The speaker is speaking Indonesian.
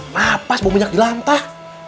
napas bau minyak dilantah